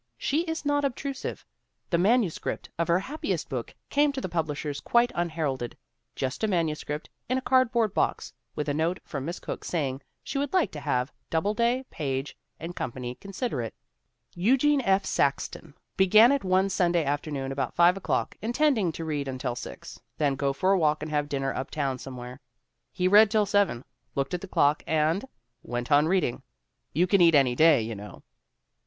She is not obtrusive. The manuscript of her happiest book came to the publishers quite unheralded just a manuscript in a cardboard box with a note from Miss Cooke saying she would like to have Doubleday, Page & Company consider it. Eugene F. Saxton began it one Sunday afternoon about 5 o'clock, intending to read until six, then go for a walk and have dinner uptown somewhere. He read till seven, looked at the clock, and went on read ing. You can eat any day, you know.